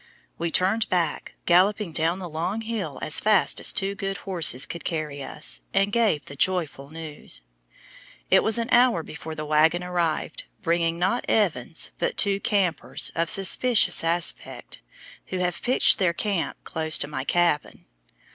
We turned back, galloping down the long hill as fast as two good horses could carry us, and gave the joyful news. It was an hour before the wagon arrived, bringing not Evans but two "campers" of suspicious aspect, who have pitched their camp close to my cabin!